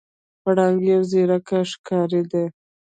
پړانګ یو زیرک ښکاری دی.